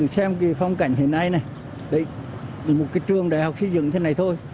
xem phong cảnh hiện nay này một trường đại học xây dựng như thế này thôi